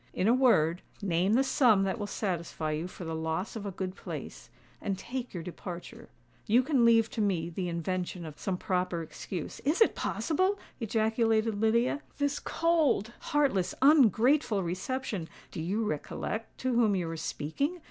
In a word, name the sum that will satisfy you for the loss of a good place—and take your departure. You can leave to me the invention of some proper excuse——" "Is it possible?" ejaculated Lydia; "this cold—heartless—ungrateful reception——" "Do you recollect to whom you are speaking?"